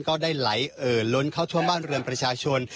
ก็ได้ไหลเอ่อล้นเข้าท่วมบ้านเรือนประชาชน